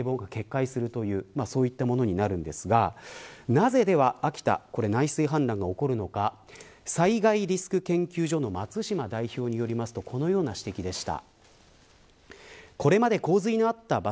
なぜでは秋田内水氾濫が起こるのか災害リスク研究所の松島代表によりますとこのような指摘でした。